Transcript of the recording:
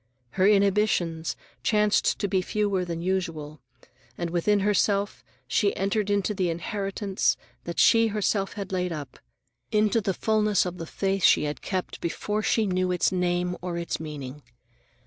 Her inhibitions chanced to be fewer than usual, and, within herself, she entered into the inheritance that she herself had laid up, into the fullness of the faith she had kept before she knew its name or its meaning.